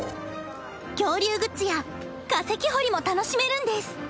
恐竜グッズや化石掘りも楽しめるんです